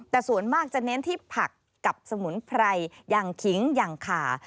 แต่ส่วนมากจะเน้นที่ผักกับสมุนไพรอย่างขิงอย่างขา